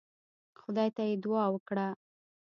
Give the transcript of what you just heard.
خدای ته يې دعا وکړه.